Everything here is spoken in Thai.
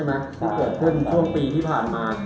ที่เกิดขึ้นช่วงปีที่ผ่านมา